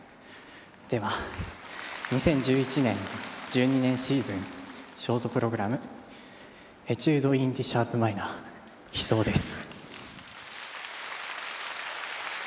では２０１１年２０１２年シーズンショートプログラムエチュードインＤシャープマイナー『悲愴』です。